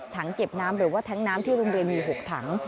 ถังเก็บน้ำหรือว่าแท้งน้ำที่โรงเรียนมี๖ถัง